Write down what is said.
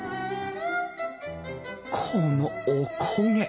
このおこげ！